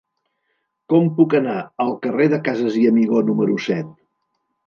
Com puc anar al carrer de Casas i Amigó número set?